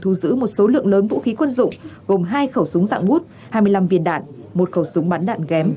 thu giữ một số lượng lớn vũ khí quân dụng gồm hai khẩu súng dạng bút hai mươi năm viên đạn một khẩu súng bắn đạn ghém